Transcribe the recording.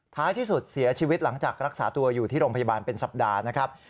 ท้ายที่สุดเสียชีวิตหลังจากรักษาตัวอยู่ที่โรงพยาบาลเป็นสัปดาห์นะครับ